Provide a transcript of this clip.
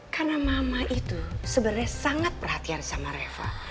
karena mama itu sebenarnya sangat perhatian sama reva